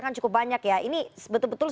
kan cukup banyak ya ini betul betul